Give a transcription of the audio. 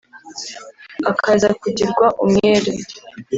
akaza kugirwa umwere